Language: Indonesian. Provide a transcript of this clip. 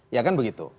ya kan begitu